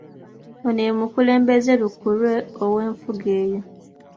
Ono ye mukulembeze lukulwe ow'enfuga eyo.